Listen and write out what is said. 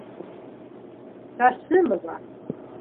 -Ҡасимова.